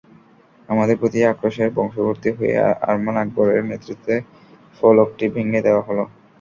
আমাদের প্রতি আক্রোশের বশবর্তী হয়ে আয়মন আকবরের নেতৃত্বে ফলকটি ভেঙে দেওয়া হলো।